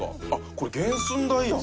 これ原寸大やん！